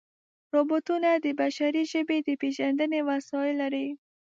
روبوټونه د بشري ژبې د پېژندنې وسایل لري.